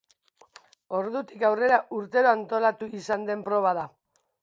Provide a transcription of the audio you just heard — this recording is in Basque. Ordutik aurrera urtero antolatu izan den proba da.